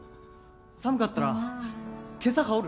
寒かったらけさ羽織る？